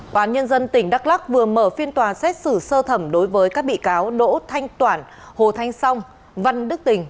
tòa án nhân dân tỉnh đắk lắc vừa mở phiên tòa xét xử sơ thẩm đối với các bị cáo đỗ thanh toản hồ thanh song văn đức tình